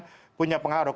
kalau yang satu ini